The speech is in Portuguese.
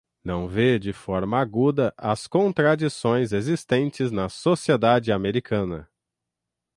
não vê de forma aguda as contradições existentes na sociedade americana